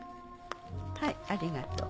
はいありがとう。